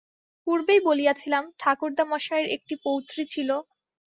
পূর্বেই বলিয়াছিলাম, ঠাকুরদামশায়ের একটি পৌত্রী ছিল।